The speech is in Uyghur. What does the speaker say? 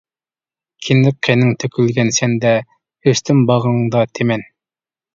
كىندىك قېنىڭ تۆكۈلگەن سەندە، ئۆستۈم باغرىڭدا تىمەن.